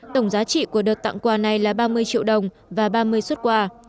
tổng giá trị của đợt tặng quà này là ba mươi triệu đồng và ba mươi xuất quà